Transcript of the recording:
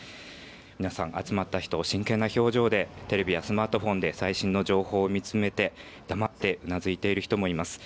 皆さん、集まった人、真剣な表情でテレビやスマートフォンで最新の情報を見つめて黙ってうなずいている人もいます。